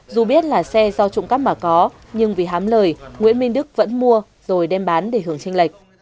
dù biết là xe do trộm cắp mà có nhưng vì hám lời nguyễn minh đức vẫn mua rồi đem bán để hưởng tranh lệch